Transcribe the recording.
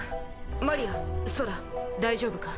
マリアソラ大丈夫か？